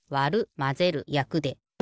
「まぜる」「やく」で。